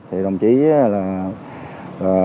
thì đồng chí là